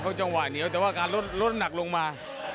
เพราะจังหวะเหนียวแต่ว่าการลดหนักลงมา